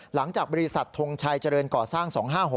หลังจากบริษัททงชัยเจริญก่อสร้าง๒๕๖